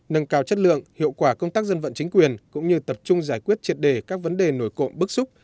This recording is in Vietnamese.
nâng cao chất lượng hiệu quả công tác dân vận chính quyền cũng như tập trung giải quyết triệt đề các vấn đề nổi cộng bức xúc